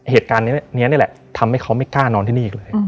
เหตุการณ์นี้นี่แหละทำให้เขาไม่กล้านอนที่นี่อีกเลย